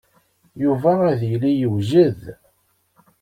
Yuba ad yili yewjed.